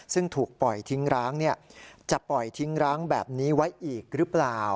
ซึ่งถูกปล่อยทิ้งร้างจะปล่อยทิ้งร้างแบบนี้ไว้อีกหรือเปล่า